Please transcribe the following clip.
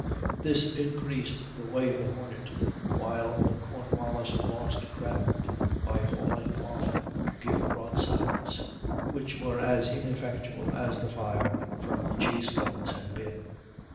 This increased the way of the Hornet, while the Cornwallis lost ground by hauling off to give broadsides, which were as ineffectual as the fire from the chase guns had been.